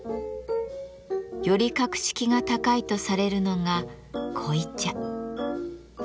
より格式が高いとされるのが濃茶。